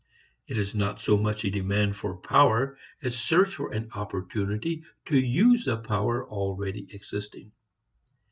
It is not so much a demand for power as search for an opportunity to use a power already existing.